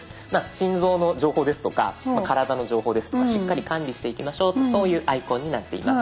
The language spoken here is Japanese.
心臓の情報ですとか体の情報ですとかしっかり管理していきましょうそういうアイコンになっています。